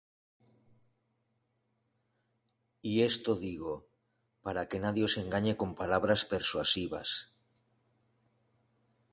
Y esto digo, para que nadie os engañe con palabras persuasivas.